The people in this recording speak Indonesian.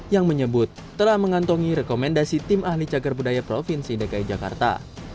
yang menyebut telah mengantongi rekomendasi tim ahli cagar budaya provinsi dki jakarta